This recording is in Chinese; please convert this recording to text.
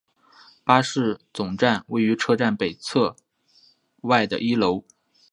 巴士总站位于车站北侧外的一楼。